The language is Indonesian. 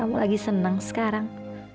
kamu lagi seneng sekarang